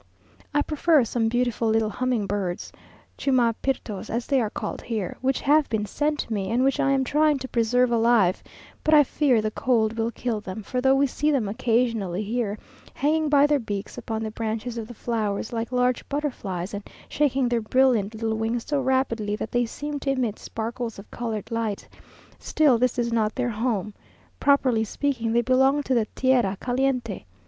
I prefer some beautiful little humming birds (chupamirtos as they are called here) which have been sent me, and which I am trying to preserve alive, but I fear the cold will kill them, for though we see them occasionally here, hanging by their beaks upon the branches of the flowers, like large butterflies, and shaking their brilliant little wings so rapidly that they seem to emit sparkles of coloured light; still this is not their home; properly speaking, they belong to the tierra caliente.